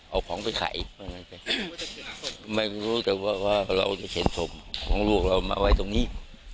เอาของไปขายไม่รู้แต่ว่าเราจะเข็นศพของลูกเรามาไว้ตรงนี้